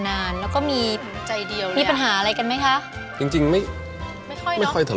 ก้าวเบื้องก้าว